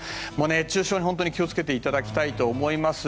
熱中症に気を付けていただきたいと思います。